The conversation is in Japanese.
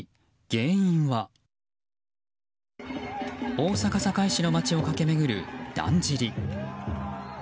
大阪・堺市の街を駆け巡るだんじり。